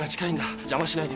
邪魔しないでくれ。